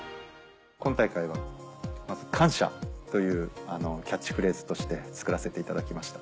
今大会はまず「感謝。」というキャッチフレーズとして作らせていただきました。